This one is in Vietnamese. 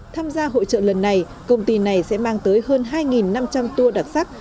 tham gia hội trợ lần này công ty này sẽ mang tới hơn hai năm trăm linh tour đặc sắc